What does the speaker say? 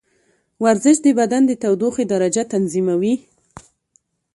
ورزش د بدن د تودوخې درجه تنظیموي.